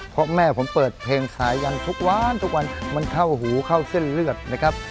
เพราะแม่ผมเปิดเพลงขายยังทุกวันทุกวันมันเข้าหูเข้าเส้นเลือดนะครับ